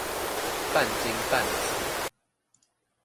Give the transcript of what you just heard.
半金半瓷